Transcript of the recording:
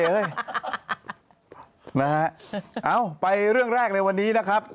เอ้าไปเรื่องแรกในวันนี้นะครับ